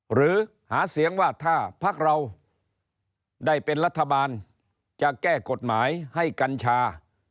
หรือหาเสียงว่าถ้าพักเราได้เป็นรัฐบาลจะแก้กฎหมายให้กัญชา